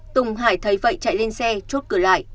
tùng hải thấy vậy chạy lên xe chốt cửa lại